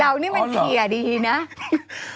เรานี่มันเสียดีนะอ่อนเหรอ